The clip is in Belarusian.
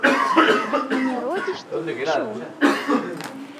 А не родзіш ты нічога?